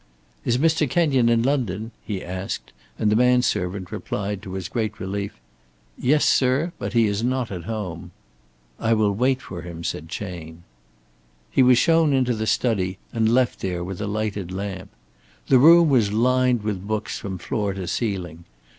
"Is Mr. Kenyon in London?" he asked, and the man servant replied to his great relief: "Yes, sir, but he is not yet at home." "I will wait for him," said Chayne. He was shown into the study and left there with a lighted lamp. The room was lined with books from floor to ceiling.